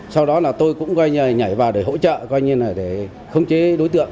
sau đó là tôi cũng coi như là nhảy vào để hỗ trợ coi như là để khống chế đối tượng